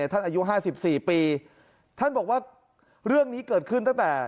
อายุ๕๔ปีท่านบอกว่าเรื่องนี้เกิดขึ้นตั้งแต่